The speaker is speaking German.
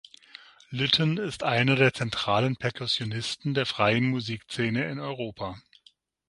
Lytton ist einer der zentralen Perkussionisten der freien Musikszene in Europa.